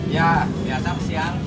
iya biasa ke siang